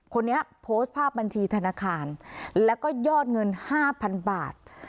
โพสต์ภาพบัญชีธนาคารแล้วก็ยอดเงิน๕๐๐๐บาท